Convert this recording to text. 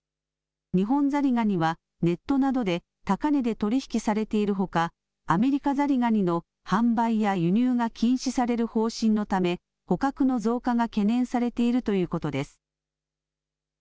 ニホンザリガニはネットなどで高値で取り引きされているほかアメリカザリガニの販売や輸入が禁止される方針のため捕獲の増加が懸念されているということです。